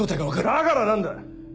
だから何だ？